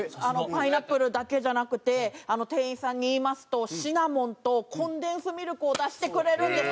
パイナップルだけじゃなくて店員さんに言いますとシナモンとコンデンスミルクを出してくれるんです。